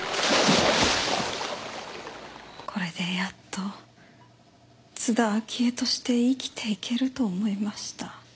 これでやっと津田明江として生きていけると思いました。